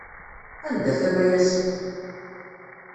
Anda-t Amayas?